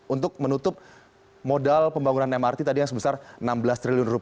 untuk menutup modal pembangunan mrt tadi yang sebesar rp enam belas triliun